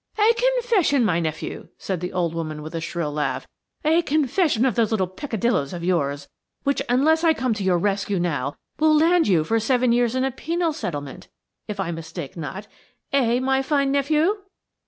"A confession, my nephew," said the old woman, with a shrill laugh. "A confession of those little pecaddilloes of yours, which, unless I come to your rescue now, will land you for seven years in a penal settlement, if I mistake not. Eh, my fine nephew?"